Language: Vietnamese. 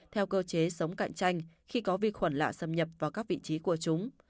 theo cơ chế sống cạnh tranh khi có vi khuẩn lạ xâm nhập vào các vị trí của chúng